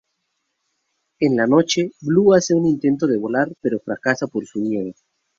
En la noche, Blu hace un intento de volar, pero fracasa por su miedo.